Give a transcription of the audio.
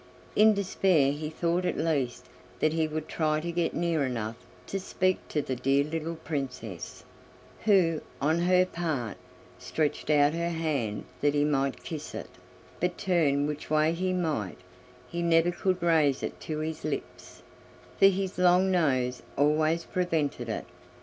In despair he thought at least that he would try to get near enough to speak to the Dear Little Princess, who, on her part, stretched out her hand that he might kiss it; but turn which way he might, he never could raise it to his lips, for his long nose always prevented it.